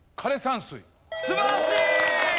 素晴らしい！